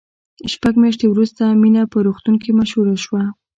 شپږ میاشتې وروسته مینه په روغتون کې مشهوره شوه